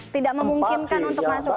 tidak memungkinkan untuk masuk